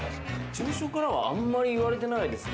事務所からはあまり言われてないですね。